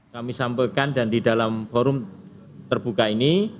kami sampaikan dan di dalam forum terbuka ini